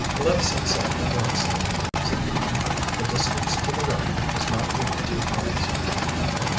"Let us set sail at once, then," said Tom. "The distance to the wreck is not over two miles."